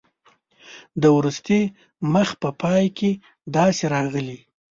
د وروستي مخ په پای کې داسې راغلي.